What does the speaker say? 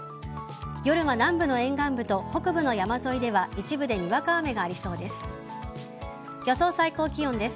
夜は南部の沿岸部と北部の山沿いでは一部にわか雨がありそうです。